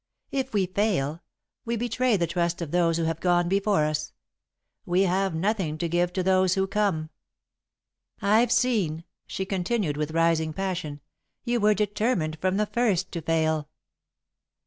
If we fail, we betray the trust of those who have gone before us we have nothing to give to those who come. "I've seen," she continued, with rising passion. "You were determined from the first to fail!"